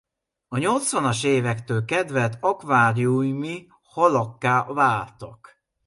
A nyolcvanas évektől kedvelt akváriumi halakká váltak.